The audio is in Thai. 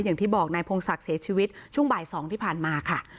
อย่างที่บอกนายพงศักดิ์เสียชีวิตช่วงบ่าย๒ที่ผ่านมาค่ะ